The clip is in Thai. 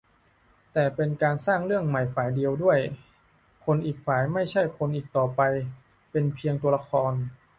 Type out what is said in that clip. แต่เป็นการสร้างเรื่องใหม่ฝ่ายเดียวด้วย คนอีกฝ่ายไม่ใช่คนอีกต่อไป เป็นเพียงตัวละคร